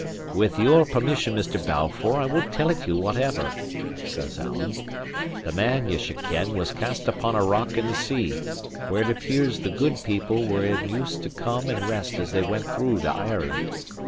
"With your permission, Mr. Balfour, I will tell it you, whatever," says Alan. "The man, ye should ken, was cast upon a rock in the sea, where it appears the Good People were in use to come and rest as they went through to Ireland.